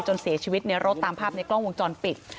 เสียชีวิตในรถตามภาพในกล้องวงจรปิด